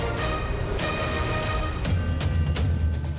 ศูนย์ในเรื่องของวิธีการขอพรนะคะ